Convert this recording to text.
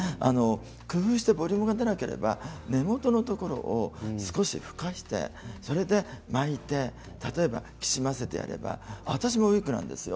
工夫してボリュームが出なければ根元のところを少しすかして巻いて例えば、きしませてあげれば私もウイッグなんですよ